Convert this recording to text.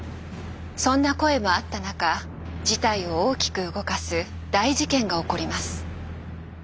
そんな声もあった中事態を大きく動かす大事件が起こります。